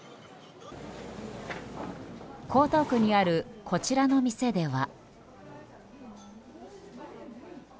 江東区にあるこちらの店では。